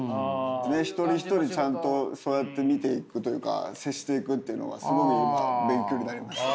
一人一人ちゃんとそうやって見ていくというか接していくっていうのはすごく今勉強になりました。